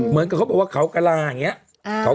เหมือนกับเขาบอกว่าเค้ากราหลาเพียงเขา